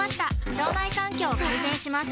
腸内環境を改善します